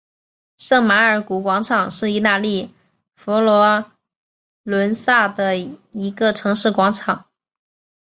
圣马尔谷广场是意大利佛罗伦萨的一个城市广场。